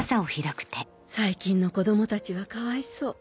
最近の子供たちはかわいそう。